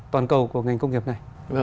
toàn cầu của ngành công nghiệp này